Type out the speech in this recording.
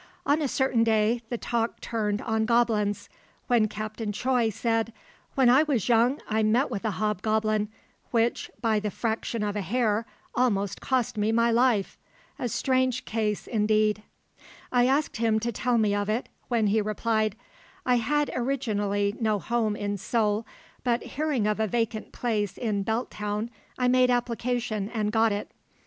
On a certain day the talk turned on goblins, when Captain Choi said, "When I was young I met with a hobgoblin, which, by the fraction of a hair, almost cost me my life. A strange case indeed!" I asked him to tell me of it, when he replied, "I had originally no home in Seoul, but hearing of a vacant place in Belt Town, I made application and got it.